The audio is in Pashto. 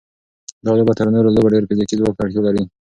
دا لوبه تر نورو لوبو ډېر فزیکي ځواک ته اړتیا لري.